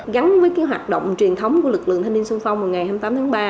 gắn với hoạt động truyền thống của lực lượng thanh niên sung phong ngày hai mươi tám tháng ba